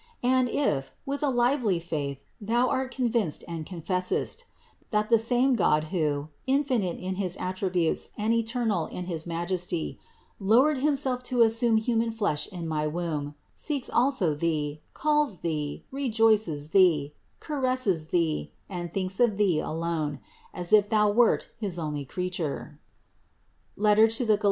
And if, with a lively faith thou art convinced and confessest, that the same God who, infinite in his attributes and eternal in his majesty, lowered Himself to assume human flesh in my womb, seeks also thee, calls thee, re joices thee, caresses thee, and thinks of thee alone, as if thou wert his only creature (Gal.